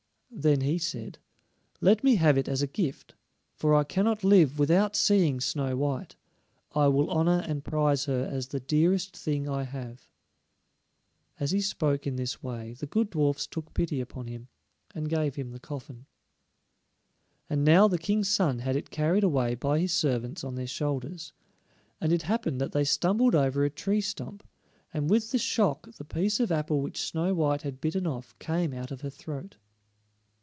Then he said: "Let me have it as a gift, for I cannot live without seeing Snow white. I will honor and prize her as the dearest thing I have." As he spoke in this way the good dwarfs took pity upon him, and gave him the coffin. And now the King's son had it carried away by his servants on their shoulders. And it happened that they stumbled over a tree stump, and with the shock the piece of apple which Snow white had bitten off came out of her throat.